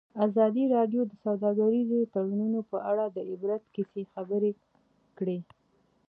ازادي راډیو د سوداګریز تړونونه په اړه د عبرت کیسې خبر کړي.